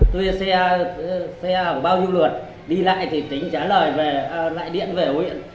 tôi xe hàng bao nhiêu lượt đi lại thì tỉnh trả lời về lại điện về huyện